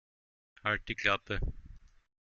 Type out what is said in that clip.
Halt die Klappe!